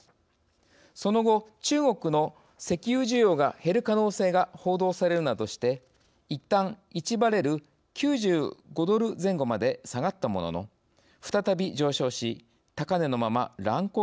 その後中国の石油需要が減る可能性が報道されるなどしていったん１バレル９５ドル前後まで下がったものの再び上昇し高値のまま乱高下しています。